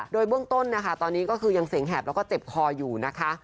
โดยเบื้องต้นนะคะตอนนี้ก็คือยังเสียงแหบแล้วก็เจ็บคออยู่นะคะ